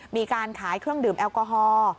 มีการขายเครื่องดื่มแอลกอฮอล์